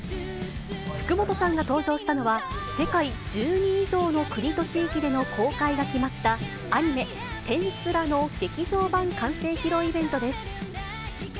福本さんが登場したのは、世界１２以上の国と地域での公開が決まったアニメ、転スラの劇場版完成披露イベントです。